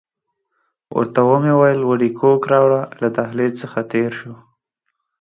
ورته ومې ویل وډکوک راوړه، له دهلیز څخه تېر شوو.